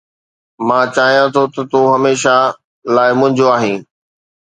مان چاهيان ٿو ته تون هميشه لاءِ منهنجو آهين.